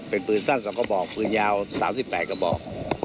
เป็นปืนสั้น๒กระบอกปืนยาว๓๘กระบอก